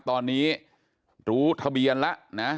ตอนนี้รู้ทะเบียนแล้วนะ